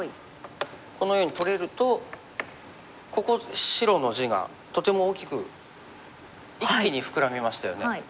このように取れるとここ白の地がとても大きく一気に膨らみましたよね。